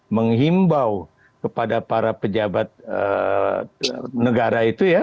menghimbau kepada para pejabat negara itu ya